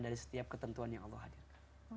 dari setiap ketentuan yang allah hadirkan